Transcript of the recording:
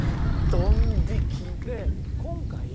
ドン引き。